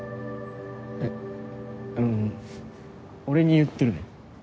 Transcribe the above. えっん俺に言ってるの？